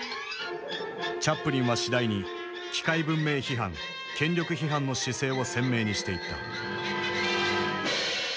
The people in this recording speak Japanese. チャップリンは次第に機械文明批判権力批判の姿勢を鮮明にしていった。